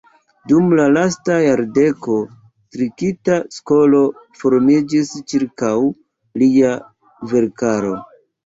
Dum la lasta jardeko kritika skolo formiĝis ĉirkaŭ lia verkaro.